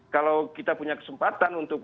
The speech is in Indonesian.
kalau kita punya kesempatan untuk